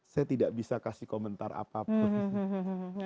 saya tidak bisa kasih komentar apa apa